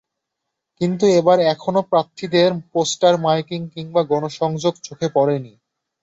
কিন্তু এবার এখনো প্রার্থীদের কোনো পোস্টার, মাইকিং কিংবা গণসংযোগ চোখে পড়েনি।